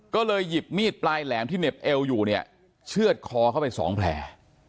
ก็เลยหยิบมีดปลายแหลมที่เหน็บเอวอยู่เนี่ยเชื่อดคอเข้าไปสองแผล